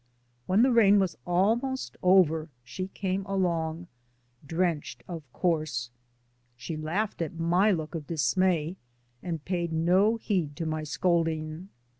When the rain was almost over she came along — drenched, of course. She laughed at my look of dis may and paid no heed to my scolding.